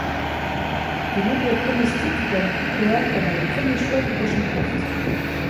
De nombreux pronostics donnent Cooper comme un des premiers choix du prochain draft.